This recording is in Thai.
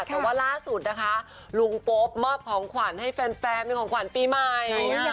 แต่ว่าล่าสุดนะคะลุงโป๊ปมอบของขวัญให้แฟนเป็นของขวัญปีใหม่